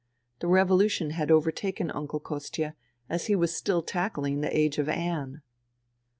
The revolution had overtaken Uncle Kostia as he was still tackling the age of Anne.